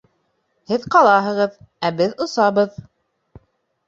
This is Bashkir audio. — Һеҙ ҡалаһығыҙ, ә беҙ осабыҙ.